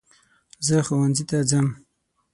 زه ښونځي ته ځم.